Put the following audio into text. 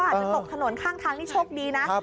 อาจจะตกถนนข้างทางนี่โชคดีนะ